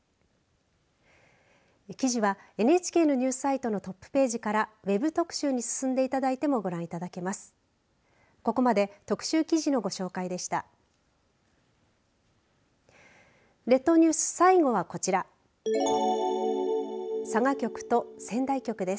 記事はＮＨＫのニュースサイトのトップページからＷＥＢ特集に進んでいただいてもご覧いただけます。